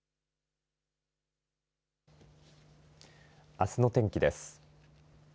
あすの天気です。